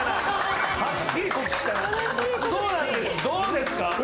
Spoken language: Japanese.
どうですか？